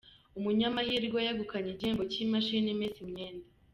Umunyamahirwe yegukanye igihembo cy’imashini imesa imyenda